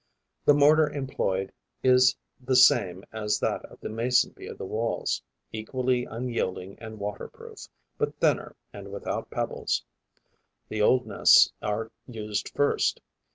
The mortar employed is the same as that of the Mason bee of the Walls, equally unyielding and waterproof, but thinner and without pebbles. The old nests are used first.